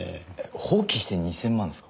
放棄して２０００万ですか？